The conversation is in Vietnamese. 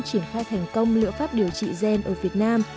triển khai thành công liệu pháp điều trị gen ở việt nam